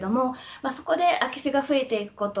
そこで空き巣が増えていくこと。